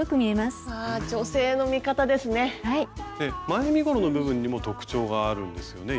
前身ごろの部分にも特徴があるんですよね？